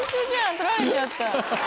取られちゃった。